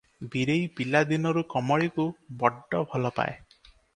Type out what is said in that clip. ବୀରେଇ ପିଲା ଦିନରୁ କମଳୀକୁ ବଡ ଭଲ ପାଏ ।